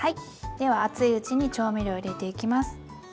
では熱いうちに調味料入れていきます。